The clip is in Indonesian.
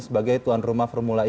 sebagai tuan rumah formula e